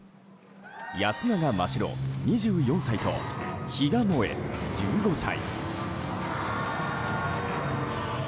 安永真白、２４歳と比嘉もえ、１５歳。